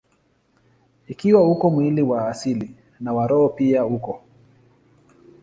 Ikiwa uko mwili wa asili, na wa roho pia uko.